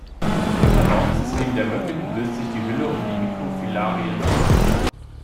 Im Verdauungssystem der Mücken löst sich die Hülle um die Mikrofilarien auf.